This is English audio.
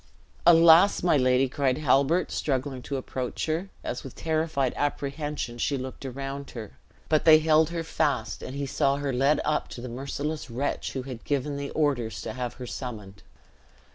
"Alas! my lady!" cried Halbert, struggling to approach her, as with terrified apprehension she looked around her; but they held her fast, and he saw her led up to the merciless wretch who had given the orders to have her summoned.